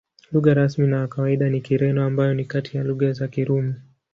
Lugha rasmi na ya kawaida ni Kireno, ambayo ni kati ya lugha za Kirumi.